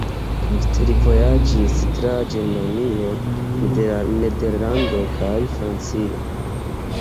Poste li vojaĝis tra Germanio, Nederlando kaj Francio.